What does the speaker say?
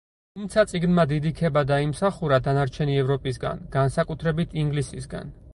თუმცა წიგნმა დიდი ქება დაიმსახურა დანარჩენი ევროპისგან, განსაკუთრებით ინგლისისგან.